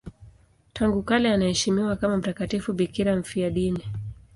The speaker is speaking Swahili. Tangu kale anaheshimiwa kama mtakatifu bikira mfiadini.